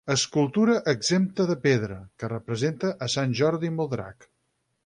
Escultura exempta de pedra, que representa a Sant Jordi amb el drac.